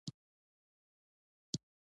• سترګې د ژور او قوي لید سره مرسته کوي.